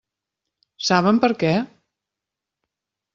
Saben per què?